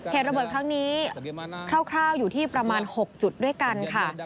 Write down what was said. เหตุระเบิดครั้งนี้คร่าวอยู่ที่ประมาณ๖จุดด้วยกันค่ะ